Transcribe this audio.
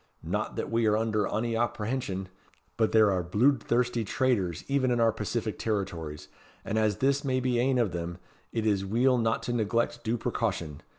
Not that we are under ony apprehension; but there are bluidthirsty traitors even in our pacific territories, and as this may be ane of them, it is weel not to neglect due precaution.